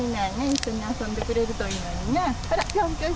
一緒に遊んでくれるといいのにね。